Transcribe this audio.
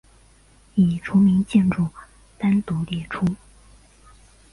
已除名建筑单独列出。